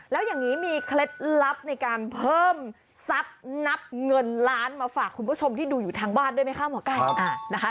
แล้วอย่างนี้มีเคล็ดลับในการเพิ่มทรัพย์นับเงินล้านมาฝากคุณผู้ชมที่ดูอยู่ทางบ้านด้วยไหมคะหมอไก่นะคะ